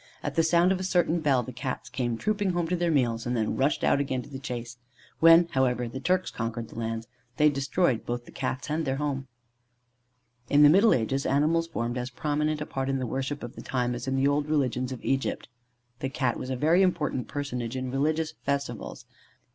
At the sound of a certain bell the Cats came trooping home to their meals, and then rushed out again to the chase. When, however, the Turks conquered the Island, they destroyed both the Cats and their home. In the middle ages, animals formed as prominent a part in the worship of the time as in the old religion of Egypt. The Cat was a very important personage in religious festivals.